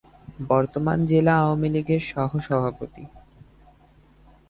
বর্তমানে জেলা আওয়ামী লীগের সহ-সভাপতি।